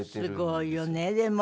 すごいよねでも。